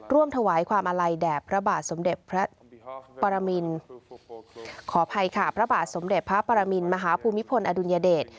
ร่วมถวายความอาลัยแดบพระบาทสมเด็จพระปรามิณมหาภูมิพลอดุลยเดช